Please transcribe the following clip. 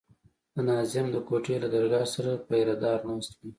د ناظم د کوټې له درګاه سره پيره دار ناست وي.